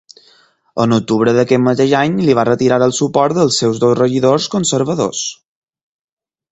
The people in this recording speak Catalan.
En octubre d'aquest mateix any li va retirar el suport dels seus dos regidors conservadors.